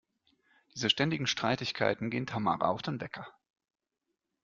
Diese ständigen Streitigkeiten gehen Tamara auf den Wecker.